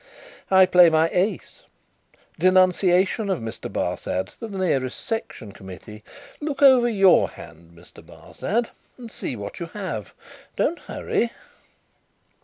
"I play my Ace, Denunciation of Mr. Barsad to the nearest Section Committee. Look over your hand, Mr. Barsad, and see what you have. Don't hurry."